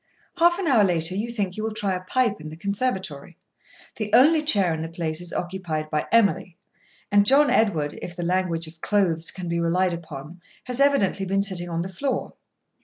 Half an hour later, you think you will try a pipe in the conservatory. The only chair in the place is occupied by Emily; and John Edward, if the language of clothes can be relied upon, has evidently been sitting on the floor.